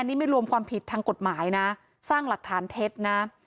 นี่ไม่รวมความผิดทางกฎหมายนะสร้างหลักฐานเท็จนะ